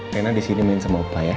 rena disini main sama opa ya